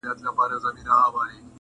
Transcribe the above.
دا زړه بېړی به خامخا ډوبېږي،